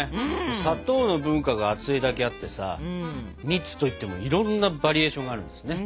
砂糖の文化が厚いだけあってさ蜜といってもいろんなバリエーションがあるんですね。